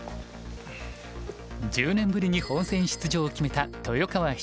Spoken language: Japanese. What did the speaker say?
１０年ぶりに本戦出場を決めた豊川七段。